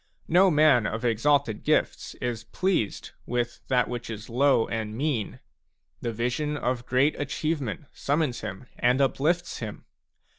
No man of exalted gifts is pleased with that which is low and mean ; the vision of great achieve ment summons him and uplifts him.